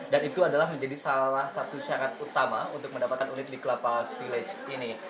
dan itu adalah menjadi salah satu syarat utama untuk mendapatkan unit di kelapa village ini